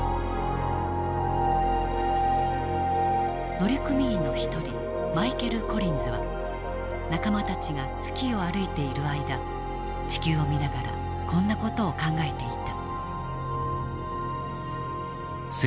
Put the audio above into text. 乗組員の一人マイケル・コリンズは仲間たちが月を歩いている間地球を見ながらこんな事を考えていた。